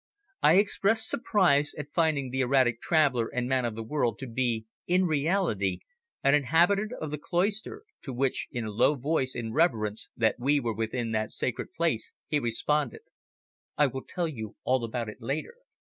I expressed surprise at finding the erratic traveller and man of the world to be, in reality, an inhabitant of the cloister, to which in a low voice, in reverence that we were within that sacred place, he responded "I will tell you all about it later.